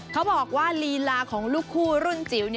เขาบอกว่าลีลาของลูกคู่รุ่นจิ๋ว